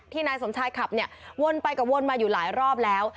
นายสมชายขับเนี่ยวนไปกับวนมาอยู่หลายรอบแล้ว